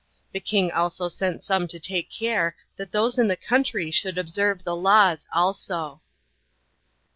The king also sent some to take care that those in the country should observe the laws also.